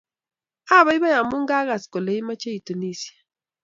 Apaipai amun kagas kole imoche itunisye